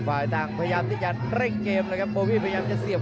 พาท่านผู้ชมกลับติดตามความมันกันต่อครับ